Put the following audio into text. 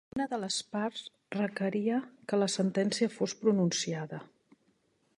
Una de les parts requeria que la sentència fos pronunciada.